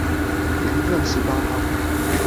年賺十八趴